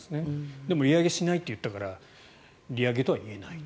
でも、利上げしないって言ったから利上げとは言えないと。